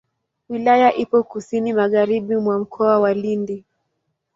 Wilaya ipo kusini magharibi mwa Mkoa wa Lindi.